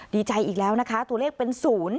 ดีใจอีกแล้วนะคะตัวเลขเป็น๐